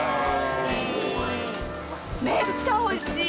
めっちゃおいしい！